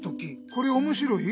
これおもしろい？